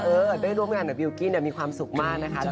เออไปร่วมงานกับบิลกิ้นมีความสุขมากนะคะ